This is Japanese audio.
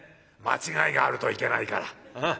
間違いがあるといけないから。